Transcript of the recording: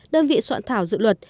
đơn vị soạn thảo dự luật